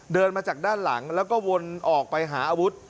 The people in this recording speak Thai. เดินมาจากด้านหลังแล้วก็วนออกไปหาอาวุธ